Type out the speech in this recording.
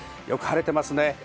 よく晴れています。